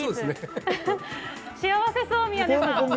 幸せそう、宮根さん。